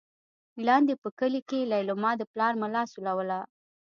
لاندې په کلي کې لېلما د پلار ملا سولوله.